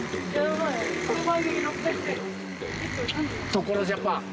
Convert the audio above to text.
「所ＪＡＰＡＮ」。